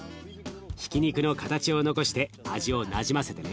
ひき肉の形を残して味をなじませてね。